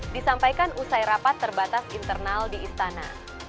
disampaikan usai rapat terbatas internal di istana